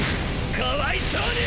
かわいそうに！